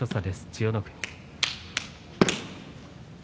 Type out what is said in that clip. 千代の国。